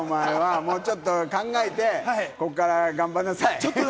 もっと考えて、こっから頑張りなさい。